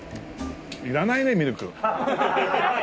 いらないねミルク。